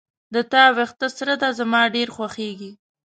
د تا وېښته سره ده زما ډیر خوښیږي